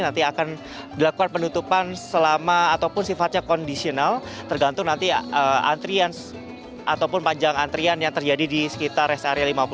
nanti akan dilakukan penutupan selama ataupun sifatnya kondisional tergantung nanti antrian ataupun panjang antrian yang terjadi di sekitar res area lima puluh